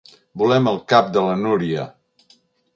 Volem el cap de la Núria.